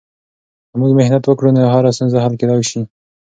که موږ محنت وکړو، نو هره ستونزه حل کیدای سي.